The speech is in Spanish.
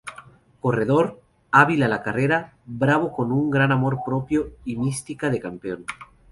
Corredor, hábil a la carrera, bravo, con gran amor propio y mística de campeón.